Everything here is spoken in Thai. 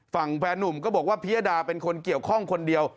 แฟนนุ่มก็บอกว่าพิยดาเป็นคนเกี่ยวข้องคนเดียว